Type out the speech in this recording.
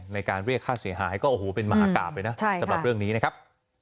ในการเรียกค่าเสียหายก็โอ้โหเป็นมหากราบเลยนะสำหรับเรื่องนี้นะครับ